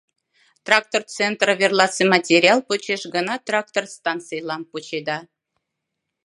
Трактороцентр верласе материал почеш гына трактор станцийлам почеда.